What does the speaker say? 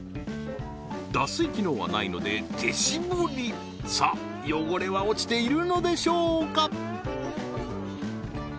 脱水機能はないので手絞りさあ汚れは落ちているのでしょうか？